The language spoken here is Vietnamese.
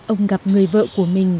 ông gặp người vợ của mình